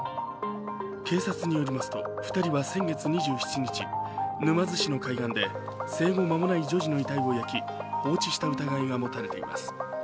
警察によりますと２人は先月２７日、沼津市の海岸で生後間もない女児の遺体を焼き放置した疑いが持たれています。